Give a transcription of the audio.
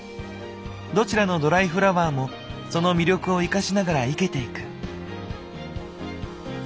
どちらのドライフラワーもその魅力を生かしながら生けていく。